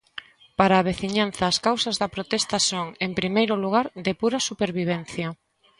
Para a veciñanza as causas da protesta son, en primeiro lugar, de pura supervivencia.